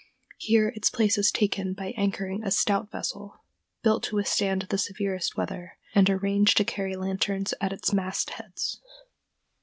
Here its place is taken by anchoring a stout vessel, built to withstand the severest weather, and arranged to carry lanterns at its mastheads.